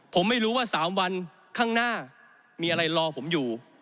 ผมไม่รู้ว่า๓วันข้างหน้ามีอะไรรอผมอยู่